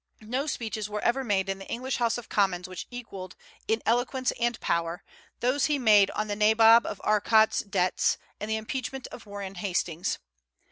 No speeches were ever made in the English House of Commons which equalled, in eloquence and power, those he made on the Nabob of Arcot's debts and the impeachment of Warren Hastings.